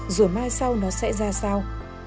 rồi mai sau nó sẽ ra sao